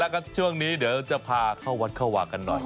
แล้วก็ช่วงนี้เดี๋ยวจะพาเข้าวัดเข้าวากันหน่อย